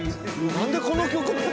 何でこの曲なん？